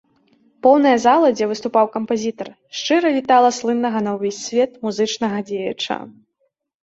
Поўная зала, дзе выступаў кампазітар, шчыра вітала слыннага на ўвесь свет музычнага дзеяча.